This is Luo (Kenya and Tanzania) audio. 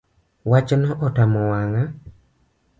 Wachno otamo wang’a